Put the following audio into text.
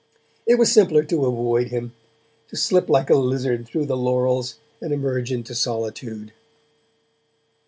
It was simpler to avoid him, to slip like a lizard though the laurels and emerge into solitude.